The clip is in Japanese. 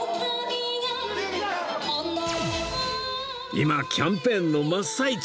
今キャンペーンの真っ最中